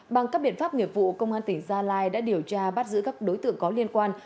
bằng các biện pháp nghiệp vụ công an tỉnh gia lai đã điều tra bắt giữ các đối tượng có liên quan